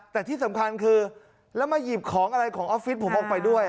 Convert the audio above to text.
แต่ที่สำคัญคือแล้วมาหยิบของอะไรของออฟฟิศผมออกไปด้วย